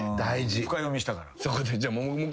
深読みしたから。